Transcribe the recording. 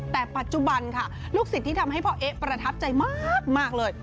แต่ปัจจุบันค่ะลูกศิษย์ที่ทำให้พ่อเอ๊ะประทับใจมากเลย